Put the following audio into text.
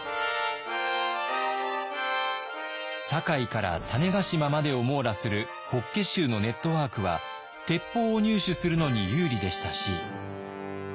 堺から種子島までを網羅する法華宗のネットワークは鉄砲を入手するのに有利でしたし。